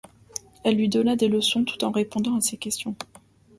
Elle lui donne des leçons tout en répondant à ses questions.